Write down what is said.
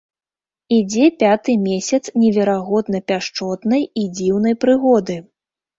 Ідзе пяты месяц неверагодна пяшчотнай і дзіўнай прыгоды.